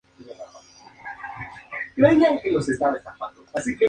Fue un prominente senador, que contaba con el favor del emperador Galieno.